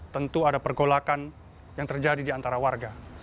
tentu ada pergolakan yang terjadi di antara warga